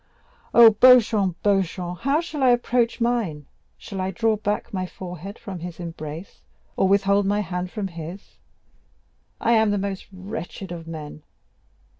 Oh, Beauchamp, Beauchamp, how shall I now approach mine? Shall I draw back my forehead from his embrace, or withhold my hand from his? I am the most wretched of men.